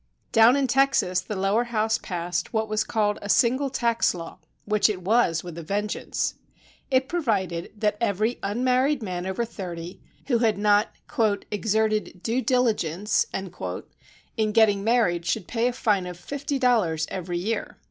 Down in Texas the lower house passed what was called a "Single Tax Law" â which it was with a vengeance. It provided that every unmarried man over thirty who had not "exerted due diligence" in getting married should pay a fineof $50 every year.